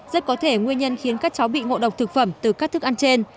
rất có thể nguyên nhân khiến các cháu bị ngộ độc thực phẩm từ các thức ăn trên